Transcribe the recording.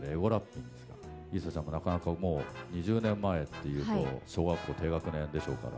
里依紗ちゃんももう２０年前っていうと小学校低学年でしょうから。